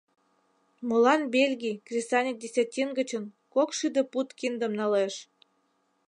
Молан Бельгий кресаньык десятин гычын кок шӱдӧ пуд киндым налеш?